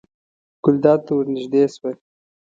ګلداد ته ور نږدې شوه.